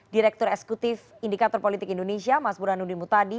direktur eksekutif indikator politik indonesia mas burhanudin mutadi